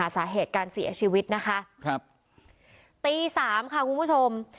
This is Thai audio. สาเหตุการเสียชีวิตนะคะครับตีสามค่ะคุณผู้ชม